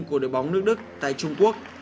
của đội bóng nước đức tại trung quốc